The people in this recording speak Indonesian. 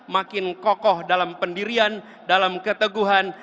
makin kokoh dalam pendirian dalam keteguhan